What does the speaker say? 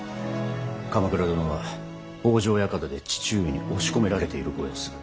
鎌倉殿は北条館で父上に押し込められているご様子。